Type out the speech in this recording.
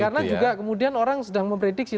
karena juga kemudian orang sedang memrediksi